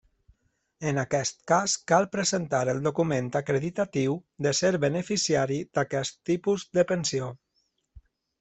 En aquest cas cal presentar el document acreditatiu de ser beneficiari d'aquest tipus de pensió.